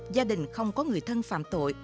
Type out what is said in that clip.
gia đình không có người thân phạm tội